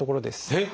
えっ？